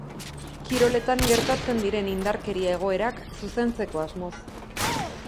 Kiroletan gertatzen diren indarkeria egoerak zuzentzeko asmoz.